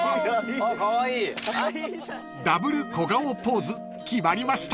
［ダブル小顔ポーズ決まりました］